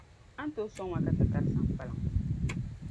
A ni tooi sɔŋ ma ka ti kari Saŋkpaliŋ?